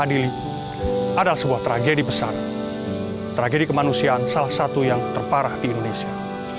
adili adalah sebuah tragedi besar tragedi kemanusiaan salah satu yang terparah di indonesia